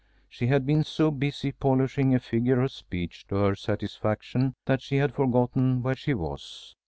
She had been so busy polishing a figure of speech to her satisfaction that she had forgotten where she was.